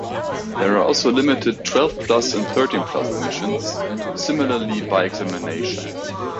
There are also limited twelve plus and thirteen plus admissions, similarly by examination.